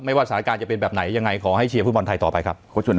ว่าสถานการณ์จะเป็นแบบไหนยังไงขอให้เชียร์ฟุตบอลไทยต่อไปครับ